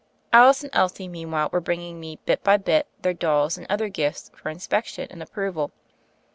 Alice and Elsie, meanwhile, were bringing me, bit by bit, their dolls and other gifts for inspec tion and approval.